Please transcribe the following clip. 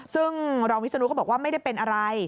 ซึ่งรองวิศนุก็บอกว่าไม่ได้เป็นอะไร